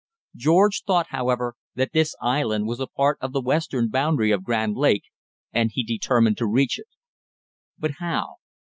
George thought, however, that this island was a part of the western boundary of Grand Lake, and he determined to reach it. But how?